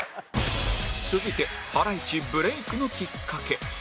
続いてハライチブレイクのきっかけ